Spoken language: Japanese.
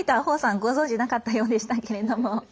ご存じなかったようでしたけれど。